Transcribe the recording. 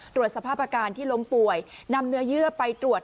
ตรวจสภาพอาการที่ล้มป่วยนำเนื้อเยื่อไปตรวจ